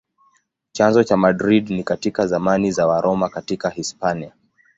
Chanzo cha Madrid ni katika zamani za Waroma katika Hispania.